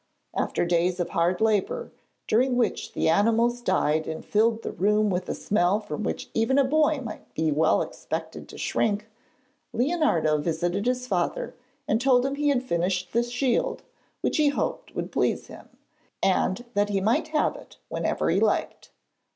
After days of hard labour, during which the animals died and filled the room with a smell from which even a boy might well be expected to shrink, Leonardo visited his father and told him he had finished the shield which he hoped would please him, and that he might have it whenever he liked.